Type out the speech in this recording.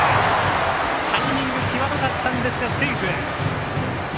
タイミング、際どかったんですがセーフ！